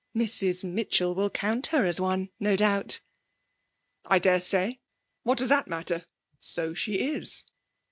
'Mrs Mitchell will count her as one, no doubt.' 'I daresay! What does that matter? So she is.'